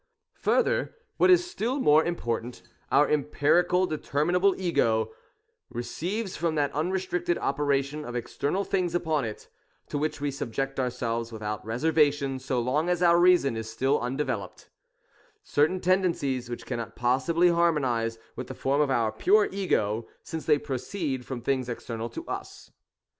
Further, what is still more important, our empirical de terminable Ego receives from that unrestricted operation of external things upon it, to which we subject ourselves with out reservation so long as our reason is still undeveloped, certain tendencies which cannot possibly harmonize with the form of our pure Ego, since they proceed from things external to us.